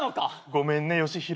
ごめんね佳弘。